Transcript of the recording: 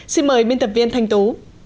xin mời biên tập viên thanh tú